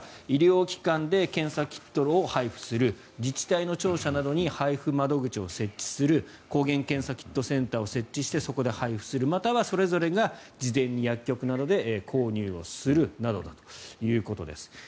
医療機関で検査キットを配布する自治体の庁舎などに配布窓口を設置する抗原検査キットセンターを設置して、そこで配布するまたはそれぞれが事前に薬局などで購入するということです。